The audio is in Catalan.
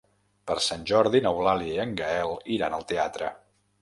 Per Sant Jordi n'Eulàlia i en Gaël iran al teatre.